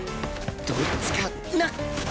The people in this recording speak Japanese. どっちかな？